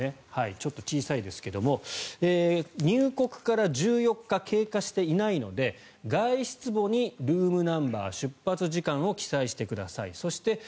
ちょっと小さいですが入国から１４日経過していないので外出簿にルームナンバーや出発時間を記載してください。